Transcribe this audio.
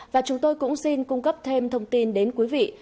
và chúng tôi cũng xin cung cấp thêm thông tin đến quý vị